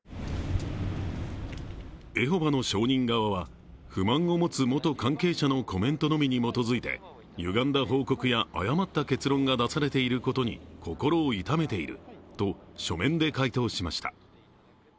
エホバの証人の側は不満を持つ元欠モノのゆがんだ報告や誤った結論が出されていることに心を痛めていると書面で回答しました。